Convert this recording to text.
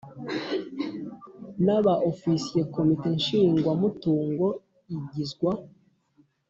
na ba ofisiye Komite Nshingwamutungo igizwa